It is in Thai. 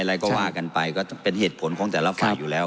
อะไรก็ว่ากันไปก็เป็นเหตุผลของแต่ละฝ่ายอยู่แล้ว